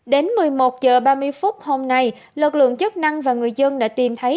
đến một mươi một h ba mươi phút hôm nay lực lượng chức năng và người dân đã tìm thấy